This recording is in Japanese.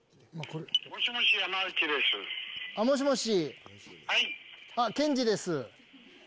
もしもし。